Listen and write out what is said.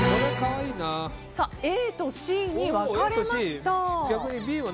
ＡとＣに分かれました。